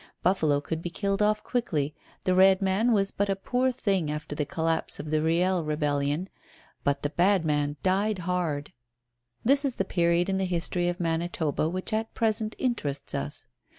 Buffalo could be killed off quickly, the red man was but a poor thing after the collapse of the Riel rebellion, but the "Bad man" died hard. This is the period in the history of Manitoba which at present interests us.